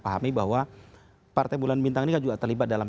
kami bahwa partai bulan bintang juga terlibat dalam